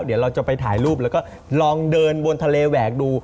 เดี๋ยวเราจะไปถ่ายรูปแล้วก็ลองเดินบนทะเลแหวกดู